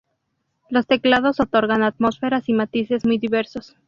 Los teclados otorgan atmósferas y matices muy diversos.